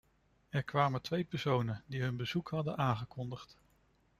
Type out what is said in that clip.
Er kwamen twee personen, die hun bezoek hadden aangekondigd.